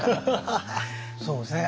そうですね